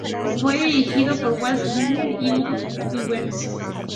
Fue dirigido por Walt Disney y Ub Iwerks.